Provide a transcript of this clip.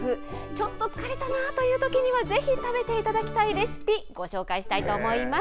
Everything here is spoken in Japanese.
ちょっと疲れたなという時にはぜひ食べていただきたいレシピをご紹介したいと思います。